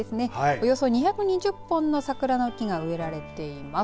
およそ２５０本の桜の木が植えられています。